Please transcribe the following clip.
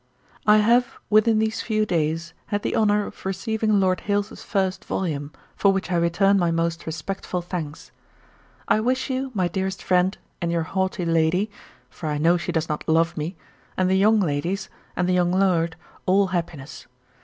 'I have, within these few days, had the honour of receiving Lord Hailes's first volume, for which I return my most respectful thanks. 'I wish you, my dearest friend, and your haughty lady, (for I know she does not love me,) and the young ladies, and the young Laird, all happiness.